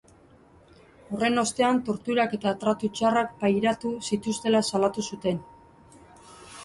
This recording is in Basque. Horren ostean, torturak eta tratu txarrak pairatu zituztela salatu zuten.